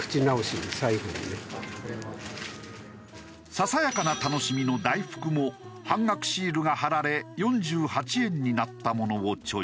ささやかな楽しみの大福も半額シールが貼られ４８円になったものをチョイス。